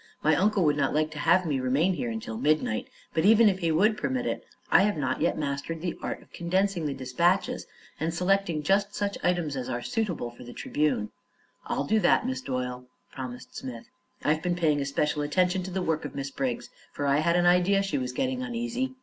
My uncle would not like to have me remain here until midnight, but even if he would permit it I have not yet mastered the art of condensing the dispatches and selecting just such items as are suitable for the Tribune." "I'll do that, Miss Doyle," promised Smith. "I've been paying especial attention to the work of Miss Briggs, for I had an idea she was getting uneasy.